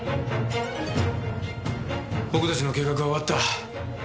僕たちの計画は終わった。